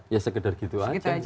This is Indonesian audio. ya sekedar gitu aja